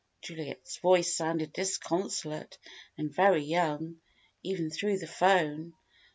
(Juliet's voice sounded disconsolate and very young, even through the 'phone.)